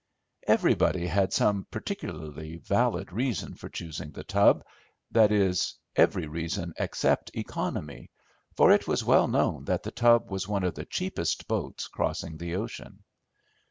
Everybody had some particularly valid reason for choosing The Tub, that is, every reason except economy, for it was well known that The Tub was one of the cheapest boats crossing the ocean.